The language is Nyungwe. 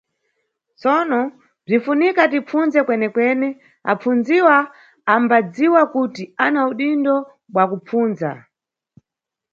Tsono, bzinʼfunika tipfundze kwenekwene, apfundziwa ambadziwa kuti ana udindo bwa kupfundza.